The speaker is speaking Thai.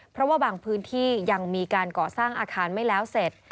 เพราะว่าบางพื้นที่ยังมีการก่อสร้างอาคารไม่แล้วเสร็จ